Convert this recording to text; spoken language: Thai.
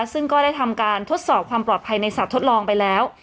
ซึ่งก็ได้ทำการทดสอบความปลอดภัยในสัตว์ทดลองไปแล้ว